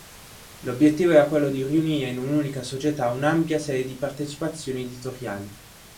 L'obiettivo era quello di riunire in un'unica società un'ampia serie di partecipazioni editoriali.